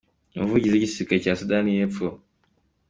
Umuvugizi w’igisirikare cya Sudani y’Epfo, Brig.